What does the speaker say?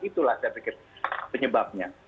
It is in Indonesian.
itulah saya pikir penyebabnya